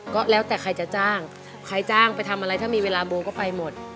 ก็แล้วแต่ใครจะจ้างใครจ้างไปทำอะไรถ้ามีเวลาโบก็ไปหมด